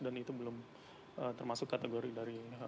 dan itu belum termasuk kategori dari